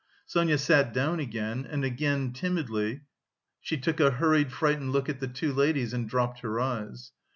Sonia sat down again, and again timidly she took a hurried, frightened look at the two ladies, and dropped her eyes.